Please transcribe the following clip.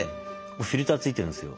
フィルター付いてるんですよ。